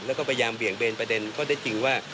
แล้วก็พยายามเบี่ยงเบนประเด็นข้อได้จริงว่า